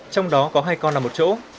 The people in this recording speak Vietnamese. trong đó có hai con nằm một chỗ